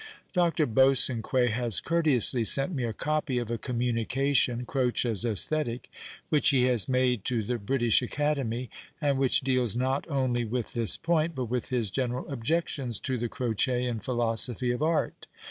Dr. Bosanquet has courteously sent mc a copy of a communication, " Crocc's iEsthetic," which he has made to the British Academy, and which deals not only with this point, but with his general objecUons to the Croccan philosoj)hy of art.